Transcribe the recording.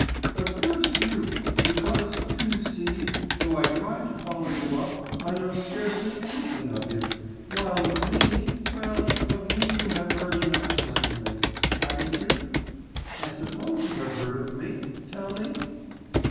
But first you ... because, do you see, though I tried to follow you up, I know scarcely anything of you; while of me ... well, of me you have heard enough certainly. Haven't you? I suppose you have heard of me, tell me?